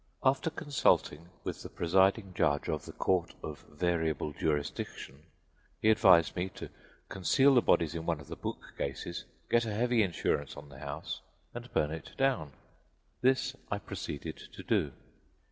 After consulting with the presiding judge of the Court of Variable Jurisdiction he advised me to conceal the bodies in one of the bookcases, get a heavy insurance on the house and burn it down. This I proceeded to do.